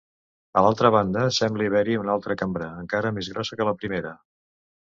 A l'altra banda sembla haver-hi una altra cambra encara més grossa que la primera.